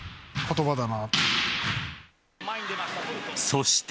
そして。